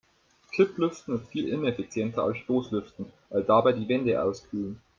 Kipplüften ist viel ineffizienter als Stoßlüften, weil dabei die Wände auskühlen.